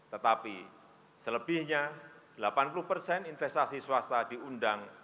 tetapi selebihnya delapan puluh persen investasi swasta diundang